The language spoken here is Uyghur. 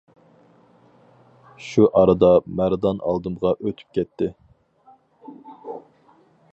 شۇ ئارىدا مەردان ئالدىمغا ئۆتۈپ كەتتى.